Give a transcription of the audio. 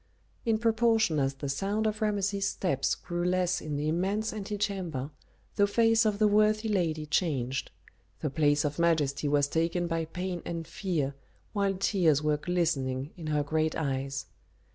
In proportion as the sound of Rameses' steps grew less in the immense antechamber, the face of the worthy lady changed; the place of majesty was taken by pain and fear, while tears were glistening in her great eyes.